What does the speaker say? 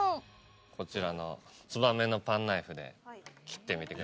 こちらのつばめのパンナイフで切ってみてください。